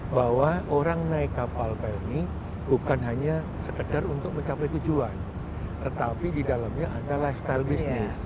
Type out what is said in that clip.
bahwa orang naik kapal pl ini bukan hanya sekedar untuk mencapai tujuan tetapi di dalamnya ada lifestyle business